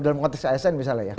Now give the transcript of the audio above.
dalam konteks asn misalnya ya